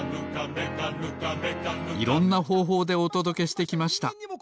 いろんなほうほうでおとどけしてきました。